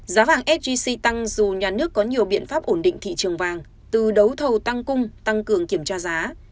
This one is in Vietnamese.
giá vàng sgc tăng dù nhà nước có nhiều biện pháp ổn định thị trường vàng từ đấu thầu tăng cung tăng cường kiểm tra giá